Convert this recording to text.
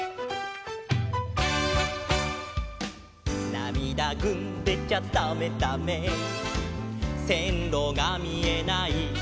「なみだぐんでちゃだめだめ」「せんろがみえない」